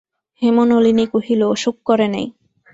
হেমনলিনী কহিল, অসুখ করে নাই।